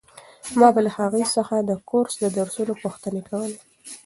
ما به له هغوی څخه د کورس د درسونو پوښتنې کولې.